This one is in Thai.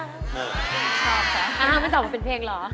ชอบจ้ะอาหารเป็นช่องเป็นเพลงเหรอ